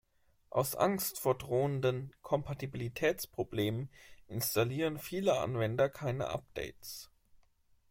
Aus Angst vor drohenden Kompatibilitätsproblemen installieren viele Anwender keine Updates.